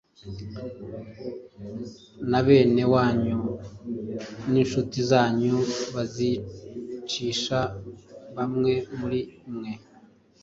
na bene wanyu n’incuti zanyu, bazicisha bamwe muri mwe.